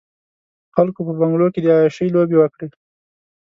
خلکو په بنګلو کې د عياشۍ لوبې وکړې.